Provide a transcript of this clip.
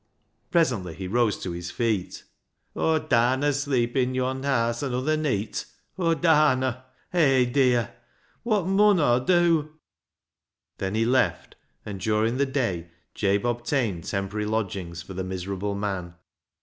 Presently he rose to his feet. " Aw darr na sleep i' yond' haase anuther neet ! Aw darr na ! Hay, dear ! Wot mun Aw dew? " Then he left, and during the day Jabe obtained temporary lodgings for the miserable man.